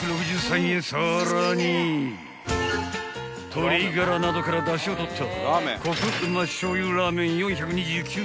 ［鶏がらなどからだしを取った］